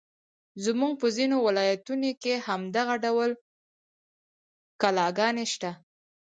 زموږ په ځینو ولایتونو کې هم دغه ډول کلاګانې شته.